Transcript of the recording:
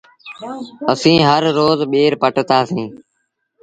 اسيٚݩ هر روز ٻير پٽتآ سيٚݩ۔